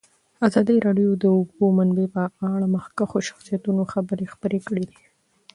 ازادي راډیو د د اوبو منابع په اړه د مخکښو شخصیتونو خبرې خپرې کړي.